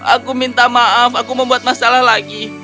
aku minta maaf aku membuat masalah lagi